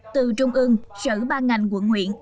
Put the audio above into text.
từ trung ương sở ban ngành quận nguyện